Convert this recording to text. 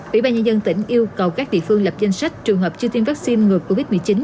ủy ban nhân dân tỉnh yêu cầu các địa phương lập danh sách trường hợp chưa tiêm vaccine ngừa covid một mươi chín